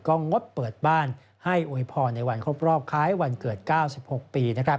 ก็งดเปิดบ้านให้อวยพรในวันครบรอบคล้ายวันเกิด๙๖ปี